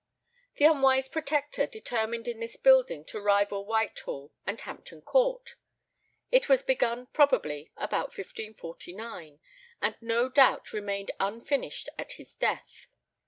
The unwise Protector determined in this building to rival Whitehall and Hampton Court. It was begun probably about 1549, and no doubt remained unfinished at his death.